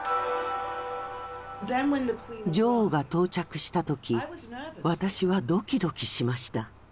女王が到着した時私はドキドキしました。